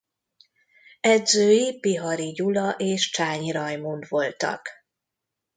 Edzői Bihari Gyula és Csányi Rajmund voltak.